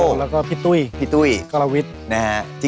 แล้วก็พี่ตุ้ยกลวิช